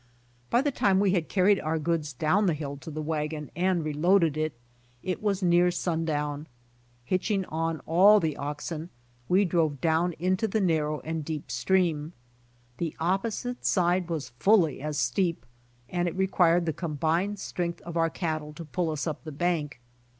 By the time we had carried our goods down the hill to the wagon and reloaded it, it was near sundown. Hitching on all the oxen, we drove down into the narrow and deep stream. The opposite side was fully as steep and it required the combined strength of our cattle to pull us up the bank.